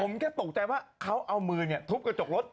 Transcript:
ผมแค่ตกใจว่าเขาเอามือทุบกระจกรถ